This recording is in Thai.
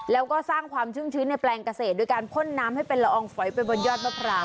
แล้วก็สร้างความชุ่มชื้นในแปลงเกษตรโดยการพ่นน้ำให้เป็นละอองฝอยไปบนยอดมะพร้าว